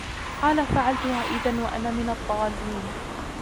قال فعلتها إذا وأنا من الضالين